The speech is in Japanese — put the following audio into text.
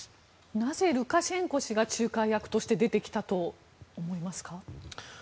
なぜ、ルカシェンコ氏が仲介役として出てきたと思いますか。